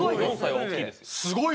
すごい！